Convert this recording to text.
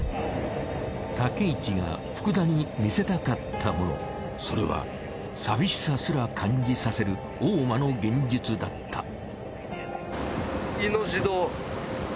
武一が福田に見せたかったものそれは寂しさすら感じさせる大間の現実だった。